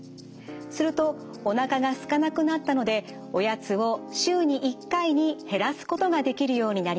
するとおなかがすかなくなったのでおやつを週に１回に減らすことができるようになりました。